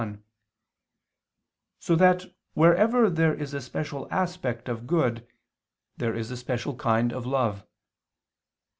1), so that wherever there is a special aspect of good, there is a special kind of love.